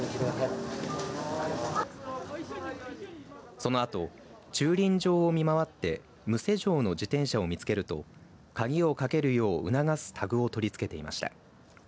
そのあと駐輪場を見回って無施錠の自転車を見つけると鍵をかけるよう促すタグを取り付けていました。